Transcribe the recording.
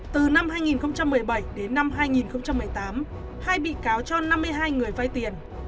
từ năm hai nghìn một mươi bảy đến năm hai nghìn một mươi tám hai bị cáo cho năm mươi hai người vai tiền